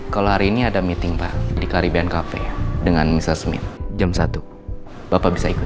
kalau hari ini ada meeting pak di caribbean cafe dengan mrs smith jam satu bapak bisa ikut